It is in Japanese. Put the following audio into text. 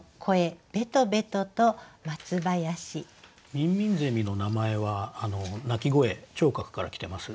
ミンミンゼミの名前は鳴き声聴覚から来てます。